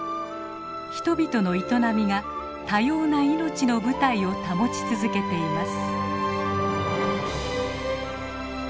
人々の営みが多様な命の舞台を保ち続けています。